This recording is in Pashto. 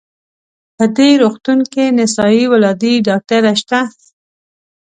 په دې روغتون کې نسایي ولادي ډاکټره شته؟